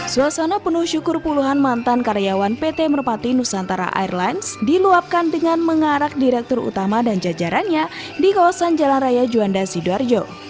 suasana penuh syukur puluhan mantan karyawan pt merpati nusantara airlines diluapkan dengan mengarak direktur utama dan jajarannya di kawasan jalan raya juanda sidoarjo